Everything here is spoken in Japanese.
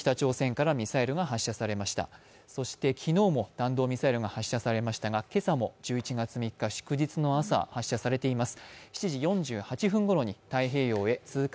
昨日も弾道ミサイルが発射されましたが、今朝も１１月３日、祝日の朝、発射されています。